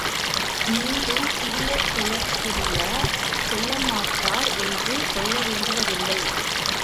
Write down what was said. மீண்டும் சிறியர் செயற்கரிய செய்யமாட்டார் என்று சொல்லவேண்டியதில்லை.